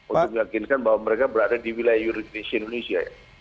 untuk melakinkan bahwa mereka berada di wilayah euridisi indonesia